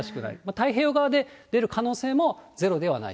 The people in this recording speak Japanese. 太平洋側で出る可能性もゼロではない。